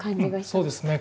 そうですね。